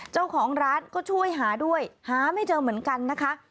เจ้าของร้านก็ช่วยหาด้วยหาไม่เจอเหมือนกันนะคะ